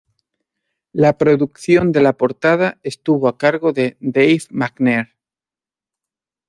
La producción de la portada estuvo a cargo de Dave McNair.